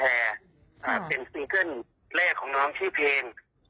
เราเป็นคนทำเพลง